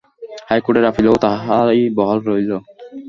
হাইকোর্টের আপিলেও তাহাই বহাল রহিল।